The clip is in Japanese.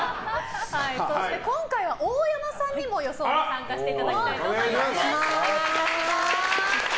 今回は大山さんにも予想に参加していただきます。